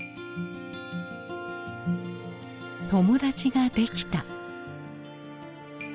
友達ができた。